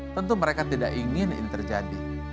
tentu mereka tidak ingin ini terjadi